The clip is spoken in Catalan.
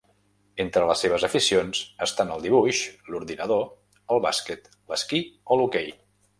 Entre les seves aficions estan el dibuix, l'ordinador, el basquet, l'esquí o l'hoquei.